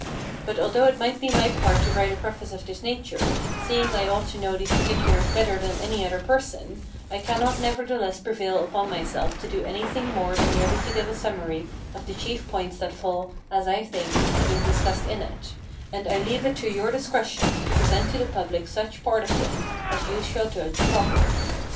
But although it might be my part to write a preface of this nature, seeing I ought to know those particulars better than any other person, I cannot nevertheless prevail upon myself to do anything more than merely to give a summary of the chief points that fall, as I think, to be discussed in it: and I leave it to your discretion to present to the public such part of them as you shall judge proper.